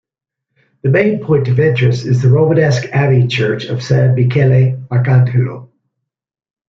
The main point of interest is the Romanesque abbey church of "San Michele Arcangelo".